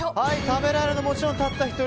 食べられるのはもちろんたった１人。